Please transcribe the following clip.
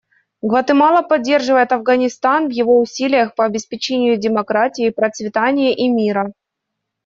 Гватемала поддерживает Афганистан в его усилиях по обеспечению демократии, процветания и мира.